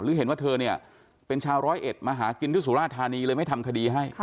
เห็นว่าเธอเนี่ยเป็นชาวร้อยเอ็ดมาหากินที่สุราธานีเลยไม่ทำคดีให้